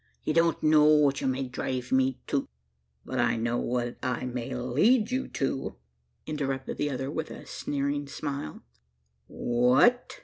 Ye don't know what you may drive me to " "But I know what I may lead you to," interrupted the other with a sneering smile. "What?"